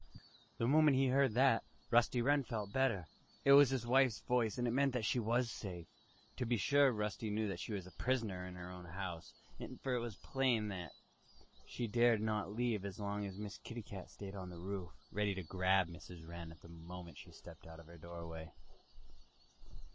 The moment he heard that, Rusty Wren felt better. It was his wife's voice and it meant that she was safe. To be sure, Rusty knew that she was a prisoner in her own house; for it was plain that she dared not leave it so long as Miss Kitty Cat stayed on the roof, ready to grab Mrs. Wren the moment she stepped out of her doorway.